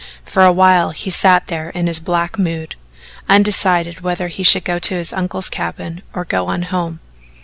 For a while he sat there in his black mood, undecided whether he should go to his uncle's cabin or go on home.